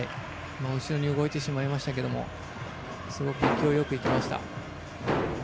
後ろに動いてしまいましたけどもすごく勢いよくいきました。